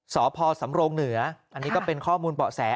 สพสำรงเหนืออันนี้ก็เป็นข้อมูลเบาะแส